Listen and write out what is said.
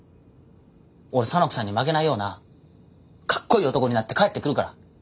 俺沙名子さんに負けないようなかっこいい男になって帰ってくるから！